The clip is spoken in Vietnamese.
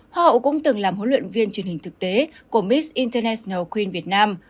hoa hậu cũng từng làm huấn luyện viên truyền hình thực tế của miss internatn queen việt nam